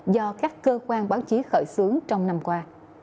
do các cơ quan báo chí khởi xướng trong năm qua